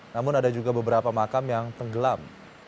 namun ada juga beberapa makam yang tenggelam